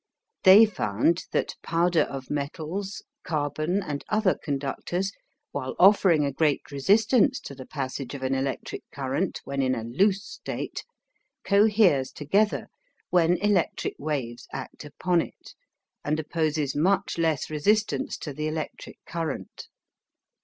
They found that powder of metals, carbon, and other conductors, while offering a great resistance to the passage of an electric current when in a loose state, coheres together when electric waves act upon it, and opposes much less resistance to the electric current.